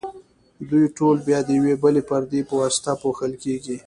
دوی ټول بیا د یوې بلې پردې په واسطه پوښل کیږي.